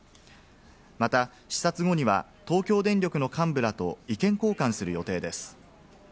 また、視察後には東京電力の幹部らと意見交換する予定です。